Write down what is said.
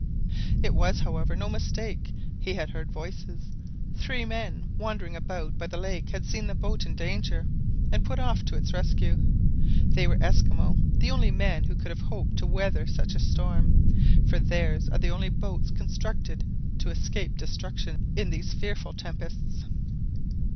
It was, however, no mistake he had heard voices. Three men, wandering about by the lake, had seen the boat in danger, and put off to its rescue. They were Esquimaux, the only men who could have hoped to weather such a storm, for theirs are the only boats constructed to escape destruction in these fearful tempests.